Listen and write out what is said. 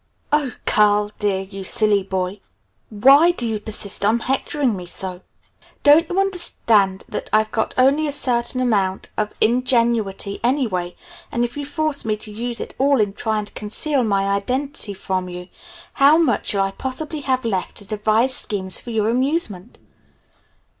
"Oh, Carl dear, you silly boy, WHY do you persist in hectoring me so? Don't you understand that I've got only a certain amount of ingenuity anyway, and if you force me to use it all in trying to conceal my identity from you, how much shall I possibly have left to devise schemes for your amusement?